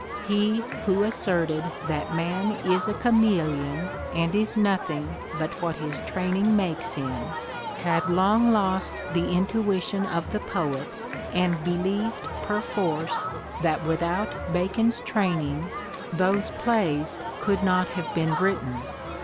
He who asserted that man is a chameleon and is nothing but what his training makes him had long lost the intuition of the poet and believed perforce that without Bacon's training those plays could not have been written.